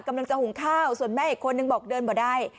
กำลังจะหุงข้าวส่วนแม่อีกคนนึงบอกเดินบ่ได้